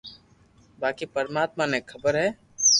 باقي پرماتما ني خبر ھي